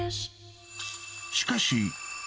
しかし。